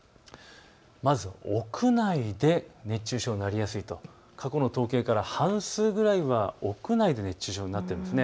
まず屋内で熱中症になりやすいと過去の統計から半数ぐらいは屋内で熱中症になっています。